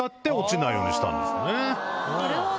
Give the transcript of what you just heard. なるほど！